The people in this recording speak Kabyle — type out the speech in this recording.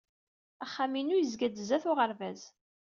Axxam-inu yezga-d sdat uɣerbaz.